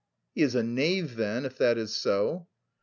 "He is a knave then, if that is so!"